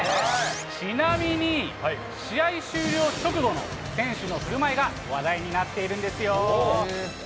ちなみに、試合終了直後の選手のふるまいが話題になっているんですよ。